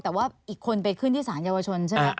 แต่ว่าอีกคนไปขึ้นที่สารเยาวชนใช่ไหม